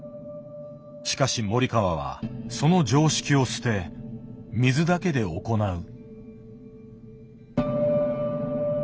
しかし森川はその常識を捨て水だけで行う。